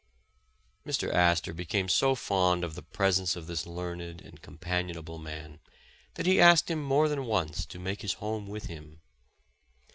Mr, Astor became so fond of the presence of this learned and companionable man, that he asked him more than once to make his home with him.